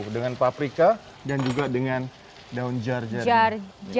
dengan paprika dan juga dengan daun jar jar